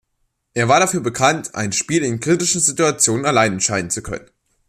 Er war dafür bekannt, ein Spiel in kritischen Situationen allein entscheiden zu können.